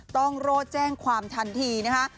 ต้องโรแจ้งความทันทีนะคะ